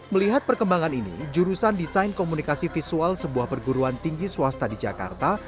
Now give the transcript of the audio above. melihat perkembangan ini jurusan desain komunikasi visual sebuah perguruan tinggi swasta di jakarta